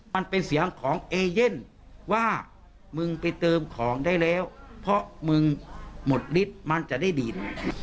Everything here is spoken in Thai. มันเป็นเสียงของเอเย่นว่ามึงไปเติมของได้แล้วเพราะมึงหมดฤทธิ์มันจะได้ดิน